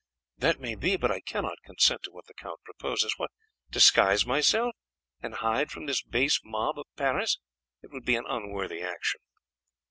"That may be; but I cannot consent to what the count proposes. What! disguise myself! and hide from this base mob of Paris! It would be an unworthy action."